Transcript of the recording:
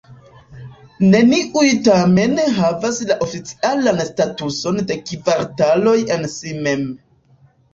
Neniuj tamen havas la oficialan statuson de kvartaloj en si mem.